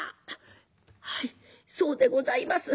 「はいそうでございます。